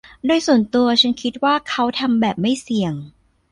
โดยส่วนตัวฉันคิดว่าเขาทำแบบไม่เสี่ยง